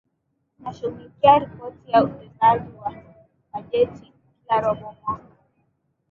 inashughulikia riipoti za utendaji wa bajeti kila robo mwaka